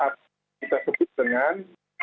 kita sebut dengan